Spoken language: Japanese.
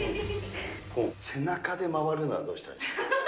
背中で回るのはどうしたらいいんですか？